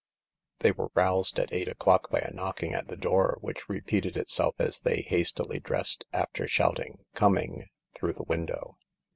They were roused at eight o'clock by a knocking at the door, which repeated itself as they hastily dressed after shouting '' Coming!" through the window.